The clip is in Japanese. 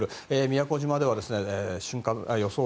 宮古島では予想